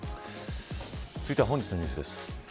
続いては、本日のニュースです。